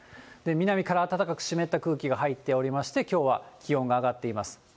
南から暖かく湿った空気が入っておりまして、きょうは気温が上がっています。